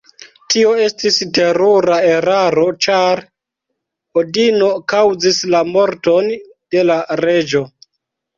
Tio estis terura eraro ĉar Odino kaŭzis la morton de la reĝo.